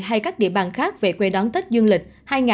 hay các địa bàn khác về quê đón tết dương lịch